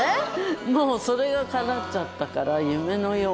もうそれがかなっちゃったから夢のよう。